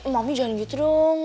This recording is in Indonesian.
mami jangan gitu dong